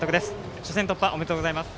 初戦突破おめでとうございます。